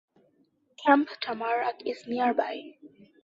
Camp Tamarack is nearby.